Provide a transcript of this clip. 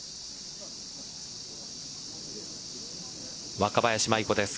若林舞衣子です。